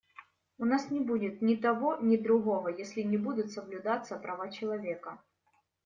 У нас не будет ни того, ни другого, если не будут соблюдаться права человека.